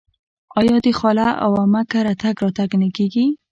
آیا د خاله او عمه کره تګ راتګ نه کیږي؟